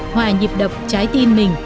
hòa nhịp đậm trái tim mình